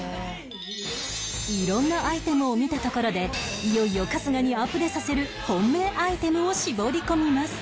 色んなアイテムを見たところでいよいよ春日にアプデさせる本命アイテムを絞り込みます